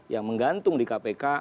yang menggantung di kpk